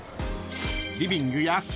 ［リビングや寝室